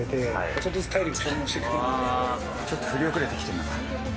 ちょっと振り遅れてきてる。